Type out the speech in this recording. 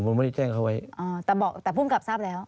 แต่ผู้ขับแทนชอบแล้ว